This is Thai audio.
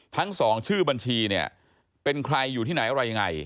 ทั้ง๒ชื่อบัญชีเนี่ยเป็นใครอยู่ที่ไหนอะไรยังไง